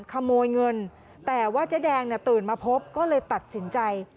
ขโมยเงินแต่ว่าเจ๊แดงเนี่ยตื่นมาพบก็เลยตัดสินใจ